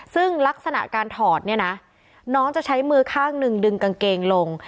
ซึ่งลักษณะการถอดเนี่ยนะน้องจะใช้มือข้างหนึ่งดึงกางเกงลง